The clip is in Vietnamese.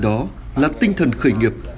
đó là tinh thần khởi nghiệp